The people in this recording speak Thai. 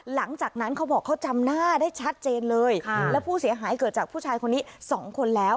เขาบอกเขาจำหน้าได้ชัดเจนเลยค่ะแล้วผู้เสียหายเกิดจากผู้ชายคนนี้สองคนแล้ว